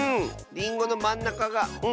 りんごのまんなかが「ん」